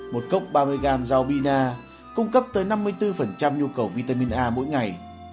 một cốc ba mươi gram rau bina cung cấp tới năm mươi bốn nhu cầu vitamin a mỗi ngày